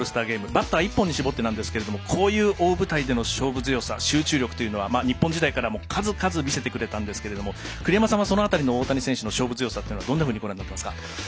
バッター１本に絞ってなんですがこういう大舞台での勝負強さ集中力というのは日本時代からも数々見せてくれたんですが栗山さんはその辺りの大谷選手の勝負強さはどのようにご覧になってますか？